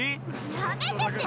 やめてってば！